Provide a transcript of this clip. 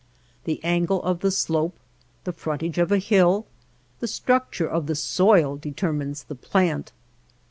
The angle of the slope, the frontage of a hill, the structure of the soil determines the plant.